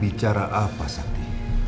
secara apa sakti